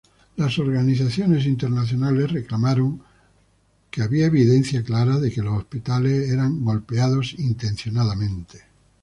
Las organizaciones internacionales reclamaron había "evidencia clara de que los hospitales eran golpeados intencionadamente".